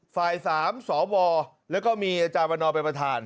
ฝ่าย๓สวแล้วก็มีอาจารย์วันนอเป็นประธาน